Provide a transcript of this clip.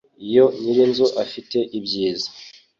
Iyo nyirinzu afite ibyiza